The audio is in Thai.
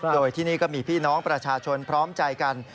โดยที่นี่ก็มีพี่น้องประชาชนพร้อมใจกัน